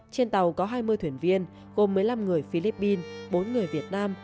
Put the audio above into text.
trên tàu có hai mươi thuyền viên gồm một mươi năm người philippines bốn người việt nam